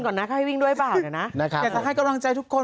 ก่อนนะวิ่งด้วยบ้างเดี๋ยวนะอยากจะให้กำลังใจทุกคน